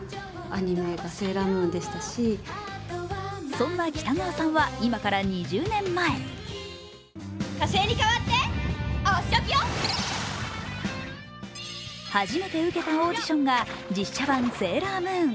そんな北川さんは今から２０年前初めて受けたオーディションが実写版「セーラームーン」。